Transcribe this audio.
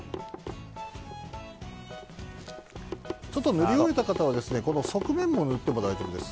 塗り終えた方は側面も塗っても大丈夫です。